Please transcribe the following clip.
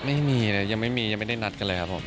ไม่มีเลยยังไม่มียังไม่ได้นัดกันเลยครับผม